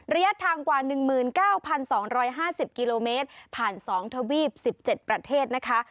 ระยะทางกว่า๑๙๒๕๐กิโลเมตรผ่าน๒ทวีป๑๗ประเทศนะคะ